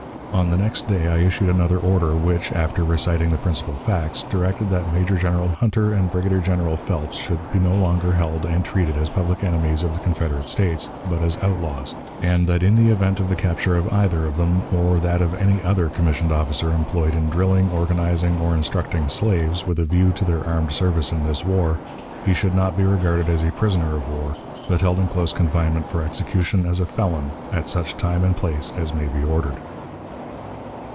On the next day I issued another order, which, after reciting the principal facts, directed that Major General Hunter and Brigadier General Phelps should be no longer held and treated as public enemies of the Confederate States, but as outlaws; and that in the event of the capture of either of them, or that of any other commissioned officer employed in drilling, organizing, or instructing slaves, with a view to their armed service in this war, he should not be regarded as a prisoner of war, but held in close confinement for execution as a felon, at such time and place as may be ordered.